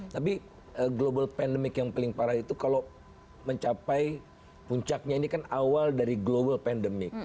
tapi global pandemic yang paling parah itu kalau mencapai puncaknya ini kan awal dari global pandemic